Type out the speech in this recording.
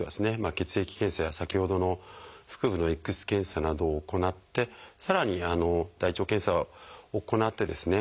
血液検査や先ほどの腹部のＸ線検査などを行ってさらに大腸検査を行ってですね